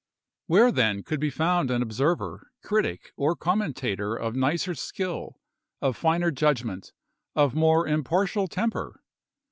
^\niere, then, could be found an observer, critic, or commentator of nicer skiU, of finer judgment, of more impartial temper?